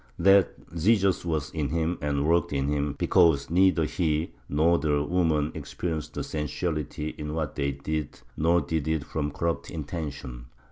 That Jesus was in him and worked in him, because neither he nor the woman experienced sensuality in what they did nor did it from corrupt intention